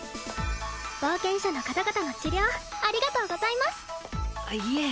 冒険者の方々の治療ありがとうございますいえ